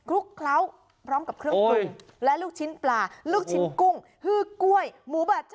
ลุกเคล้าพร้อมกับเครื่องปรุงและลูกชิ้นปลาลูกชิ้นกุ้งฮือกล้วยหมูบาด